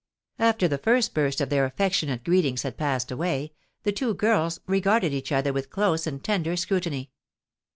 After the first burst of their affectionate greetings had passed away, the two girls regarded each other with close and tender scrutiny.